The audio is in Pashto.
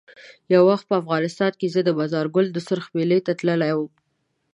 یو وخت په افغانستان کې زه د مزار ګل سرخ میلې ته تللی وم.